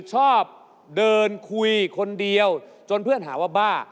ชอบเดินคุยคนเดียวจนเพื่อนหาว่าบ้า